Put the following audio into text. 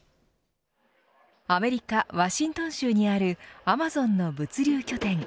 アメリカ・ワシントン州にあるアマゾンの物流拠点。